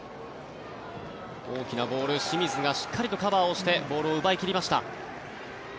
大きなボール清水がしっかりとカバーをしてボールを奪い切りました。